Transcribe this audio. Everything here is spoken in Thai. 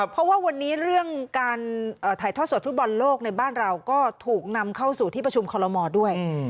เพราะว่าวันนี้เรื่องการถ่ายทอดสดฟุตบอลโลกในบ้านเราก็ถูกนำเข้าสู่ที่ประชุมคอลโมด้วย